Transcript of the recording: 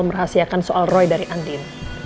merahasiakan soal roy dari andin